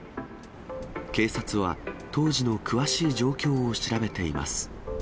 警察は当時の詳しい状況を調べています。